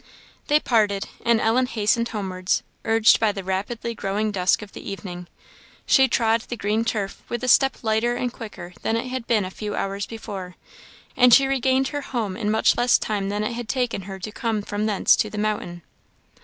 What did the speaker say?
They parted; and Ellen hastened homewards, urged by the rapidly growing dusk of the evening. She trod the green turf with a step lighter and quicker than it had been a few hours before, and she regained her home in much less time than it had taken her to come from thence to the mountain.